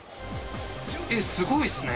えっすごいっすね。